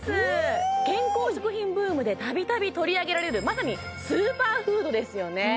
健康食品ブームで度々取り上げられるまさにスーパーフードですよね